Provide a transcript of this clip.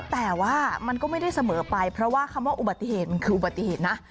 แต่ว่ามันก็ไม่ได้เสมอไปเพราะว่าคำว่าอุบัติเหตุมันคืออุบัติเหตุนะ